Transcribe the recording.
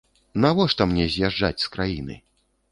Навошта мне з'язджаць з краіны?